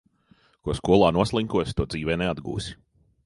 Ko skolā noslinkosi, to dzīvē neatgūsi.